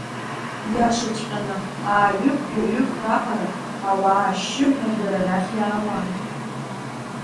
Иашаҵәҟьаны ааҩык-жәаҩык раҟара ауаа ашьшьыҳәа дара рахь иаауан.